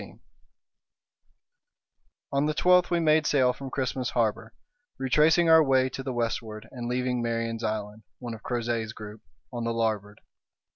CHAPTER 15 On the twelfth we made sail from Christmas Harbour retracing our way to the westward, and leaving Marion's Island, one of Crozet's group, on the larboard.